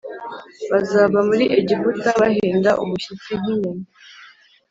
Bazava muri Egiputa bahinda umushyitsi nk inyoni